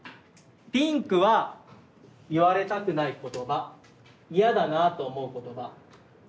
ピンクは言われたくない言葉嫌だなあと思う言葉。